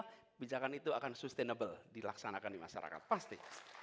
kebijakan itu akan sustainable dilaksanakan di masyarakat pasti